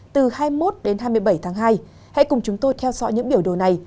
từ hai mươi một đến hai mươi bảy tháng hai hãy cùng chúng tôi theo dõi những biểu đồ này